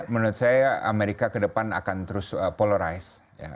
menurut saya amerika ke depan akan terus polarized